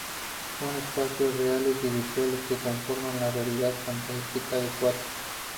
Son espacios reales y virtuales que conforman la realidad fantástica del cuadro.